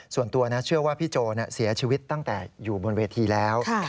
ส่วนตัวนะเชื่อว่าพี่โจเสียชีวิตตั้งแต่อยู่บนเวทีแล้ว